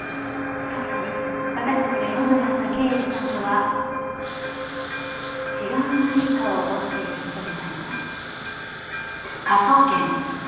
確かに私たちが今まで会った刑事さんとは違う何かを持っている人みたいね。